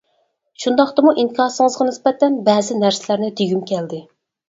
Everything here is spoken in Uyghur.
شۇنداقتىمۇ ئىنكاسىڭىزغا نىسبەتەن بەزى نەرسىلەرنى دېگۈم كەلدى.